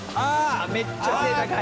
めっちゃ背高い。